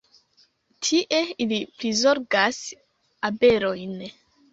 Tie, ili prizorgas abelojn.